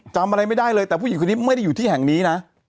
จำอะไรไม่ได้เลยแต่ผู้หญิงคนนี้ไม่ได้อยู่ที่แห่งนี้นะ